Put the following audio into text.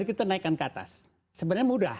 kita naikkan ke atas sebenarnya mudah